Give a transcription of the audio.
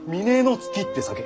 月って酒。